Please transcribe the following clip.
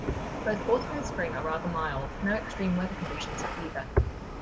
Both Autumn and Spring are rather mild, no extreme weather conditions for either.